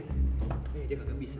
nih jangan gabisa